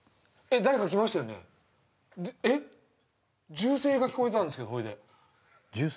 銃声が聞こえたんですけどそれで銃声？